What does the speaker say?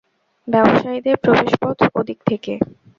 ব্যবসায়ীদের প্রবেশপথ ওদিক থেকে।